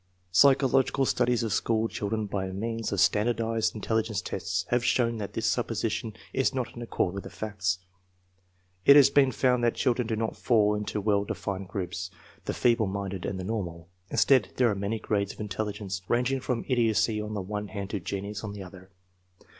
Psychological studies of school children by means of standardized intelligence tests have shown that this supposition is not in accord with the facts. It has been found that children do not fall into two well defined groups, the " feeble minded " and the " normal." Instead, there are many grades of intelligence, ranging from idiocy on the one hand to genius on the other.